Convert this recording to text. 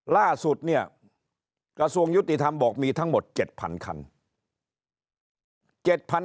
ล่าสุดเนี่ยกระทรวงยุติธรรมบอกมีทั้งหมด๗๐๐คัน